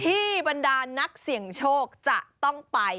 บรรดานักเสี่ยงโชคจะต้องไป